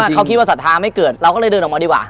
เขาคิดว่าศรัทธาไม่เกิดเราก็เลยเดินออกมาดีกว่า